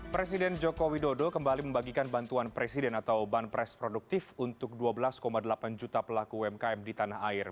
presiden joko widodo kembali membagikan bantuan presiden atau banpres produktif untuk dua belas delapan juta pelaku umkm di tanah air